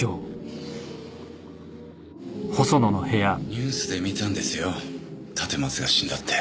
ニュースで見たんですよ立松が死んだって。